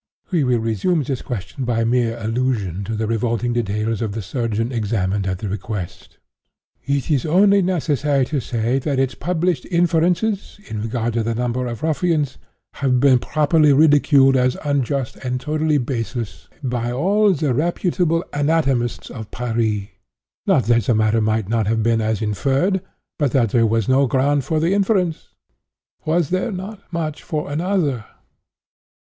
"We will resume this question by mere allusion to the revolting details of the surgeon examined at the inquest. It is only necessary to say that his published inferences, in regard to the number of ruffians, have been properly ridiculed as unjust and totally baseless, by all the reputable anatomists of Paris. Not that the matter might not have been as inferred, but that there was no ground for the inference:—was there not much for another?